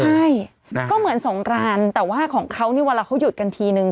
ใช่ก็เหมือนสงกรานแต่ว่าของเขานี่เวลาเขาหยุดกันทีนึง